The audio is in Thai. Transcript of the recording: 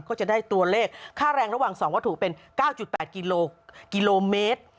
ก็จะได้ตัวเลขค่าแรงระหว่าง๒วัตถุเป็น๙๘กิโลเมตร